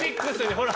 ほら！